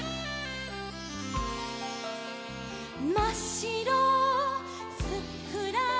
「まっしろふっくら」